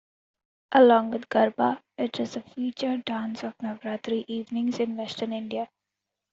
Along with Garba, it is the featured dance of Navratri evenings in Western India.